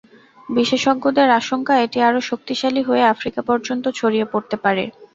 বিশেষজ্ঞদের আশঙ্কা, এটি আরও শক্তিশালী হয়ে আফ্রিকা পর্যন্ত ছড়িয়ে পড়তে পারে।